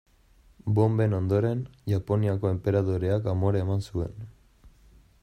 Bonben ondoren, Japoniako enperadoreak amore eman zuen.